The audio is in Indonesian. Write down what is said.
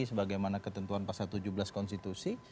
sebagaimana ketentuan pasal tujuh belas konstitusi